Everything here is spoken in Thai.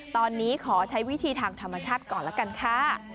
ตอนนี้ขอใช้วิธีทางธรรมชาติก่อนละกันค่ะ